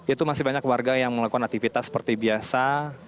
itu masih banyak warga yang melakukan aktivitas seperti biasa